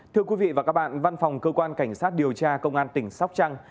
thưa quý vị và các bạn văn phòng cơ quan cảnh sát điều tra công an tỉnh sóc trăng